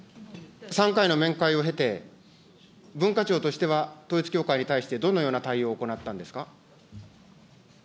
３回の面会を経て、文化庁としては統一教会に対してどのような対応を行ったんですか。